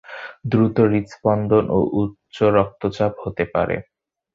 দ্রুত হৃদস্পন্দন ও উচ্চ রক্তচাপ হতে পারে।